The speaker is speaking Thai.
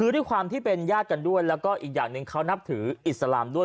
ด้วยความที่เป็นญาติกันด้วยแล้วก็อีกอย่างหนึ่งเขานับถืออิสลามด้วย